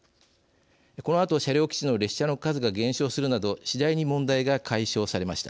このあと車両基地の列車の数が減少するなど次第に問題が解消されました。